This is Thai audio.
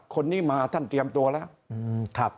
คนนี้มาท่านเตรียมตัวแล้ว